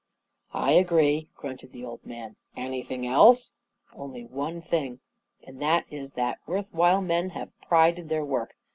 "I agree," grunted the old man. "Anything else?" 44 Only one thing — and that is that worth while men have a pride in their work.